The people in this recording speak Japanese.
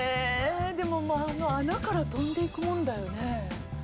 でもあの穴からとんでいくものだよね？